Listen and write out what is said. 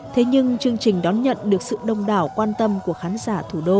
thế nhưng chương trình đón nhận được sự đông đảo quan tâm của khán giả thủ đô